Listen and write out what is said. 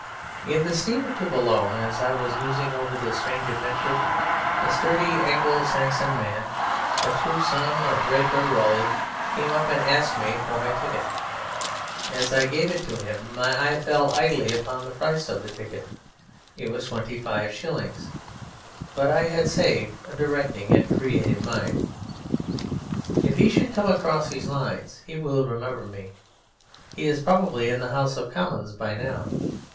In the steamer to Boulogne, as I was musing over this strange adventure, a sturdy Anglo Saxon man, a true son of Drake or Raleigh, came up and asked me for my ticket. As I gave it him my eye fell idly upon the price of the ticket. It was twenty five shillings but I had saved a directing and creative mind. If he should come across these lines he will remember me. He is probably in the House of Commons by now.